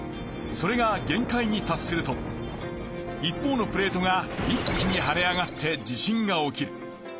それがげん界に達すると一方のプレートが一気にはね上がって地震が起きる。